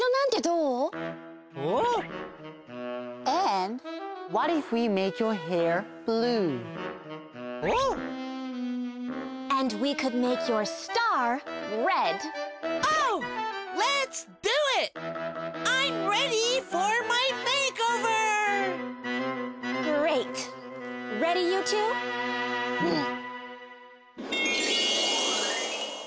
うん！